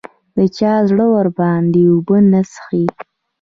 د چا زړه ورباندې اوبه نه څښي